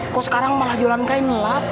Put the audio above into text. kok sekarang malah jalan kain lap